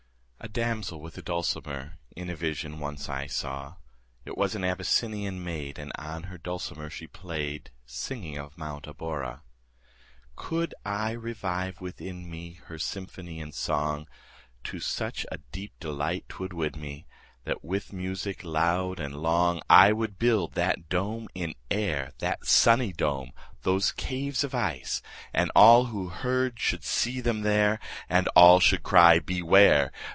A damsel with a dulcimer In a vision once I saw: It was an Abyssinian maid, And on her dulcimer she play'd, 40 Singing of Mount Abora. Could I revive within me, Her symphony and song, To such a deep delight 'twould win me, That with music loud and long, 45 I would build that dome in air, That sunny dome! those caves of ice! And all who heard should see them there, And all should cry, Beware!